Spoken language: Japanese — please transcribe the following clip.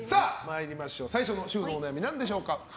最初のお悩み、なんでしょうか？